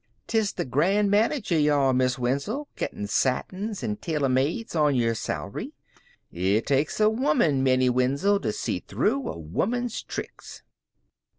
"'Tis the grand manager ye are, Miss Wenzel, gettin' satins an' tailor mades on yer salary. It takes a woman, Minnie Wenzel, to see through a woman's thricks."